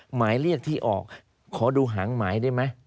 หมายเรียกที่ออกขอดูหางหมายได้ไหม